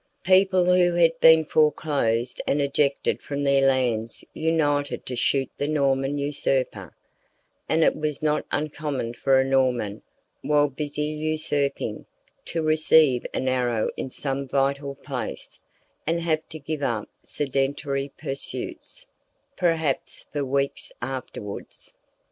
People who had been foreclosed and ejected from their lands united to shoot the Norman usurper, and it was not uncommon for a Norman, while busy usurping, to receive an arrow in some vital place, and have to give up sedentary pursuits, perhaps, for weeks afterwards.